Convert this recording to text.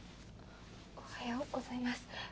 おはようございます。